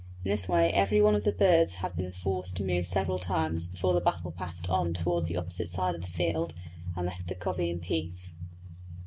In this way every one of the birds had been forced to move several times before the battle passed on towards the opposite side of the field and left the covey in peace.